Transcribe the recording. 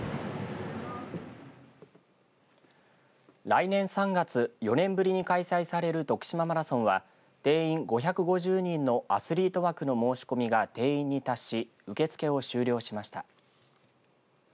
来年３月、４年ぶりに開催されるとくしまマラソンは定員５５０人のアスリート枠の申し込みが定員に達し受け付けを終了しました。